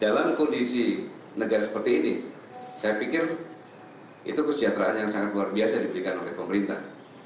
dalam kondisi negara seperti ini saya pikir itu kesejahteraan yang sangat luar biasa diberikan oleh pemerintah